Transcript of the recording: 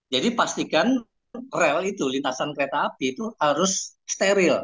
jadi pastikan rel itu lintasan kereta api itu harus steril